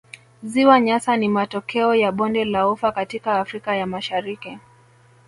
Ziwa Nyasa ni matokeo ya bonde la ufa katika Afrika ya Mashariki